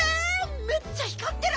めっちゃひかってる！